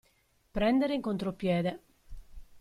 Prendere in contropiede.